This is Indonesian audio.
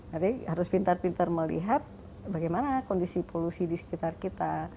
jadi harus pintar pintar melihat bagaimana kondisi polusi di sekitar kita